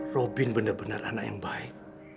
robin benar benar anak yang baik